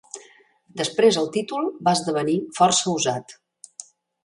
Després el títol va esdevenir força usat.